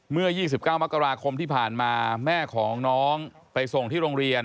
เมื่อ๒๙มกราคมที่ผ่านมาแม่ของน้องไปส่งที่โรงเรียน